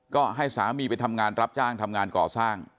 ก็ให้สามีไปทำงานรับจ้างทำงานก่อสร้าง